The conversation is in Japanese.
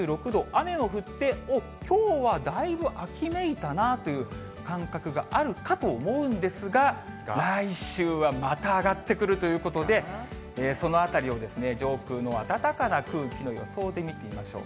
雨も降って、おっ、きょうはだいぶ秋めいたなという感覚があるかと思うんですが、来週はまた上がってくるということで、そのあたりを上空の暖かな空気の予想で見てみましょう。